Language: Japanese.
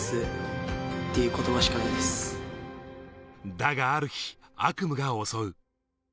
だがある日、悪夢が襲う。